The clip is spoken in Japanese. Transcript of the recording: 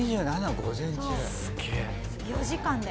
４時間で。